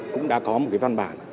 cũng đã có một văn bản